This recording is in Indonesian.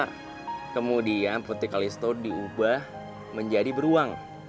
karena kemudian putri kalisto diubah menjadi beruang